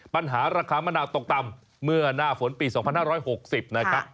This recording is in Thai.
ปัญหาราคามะนาวตกต่ำเมื่อหน้าฝนปี๒๕๖๐นะครับ